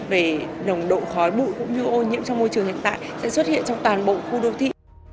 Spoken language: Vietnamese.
về nồng độ khói bụi cũng như ô nhiễm trong môi trường hiện tại sẽ xuất hiện trong toàn bộ khu đô thị